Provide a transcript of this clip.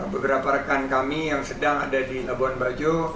beberapa rekan kami yang sedang ada di labuan bajo